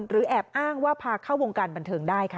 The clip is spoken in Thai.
แอบอ้างว่าพาเข้าวงการบันเทิงได้ค่ะ